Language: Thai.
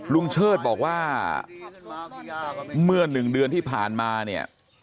เชิดบอกว่าเมื่อ๑เดือนที่ผ่านมาเนี่ย